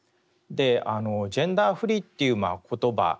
「ジェンダーフリー」っていう言葉